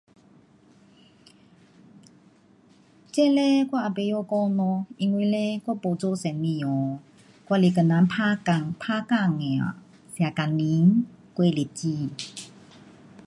这嘞我也甭晓讲咯，因为嘞，我也没做生意哦，我是跟人打工，打工的呀，吃工钱，过日子。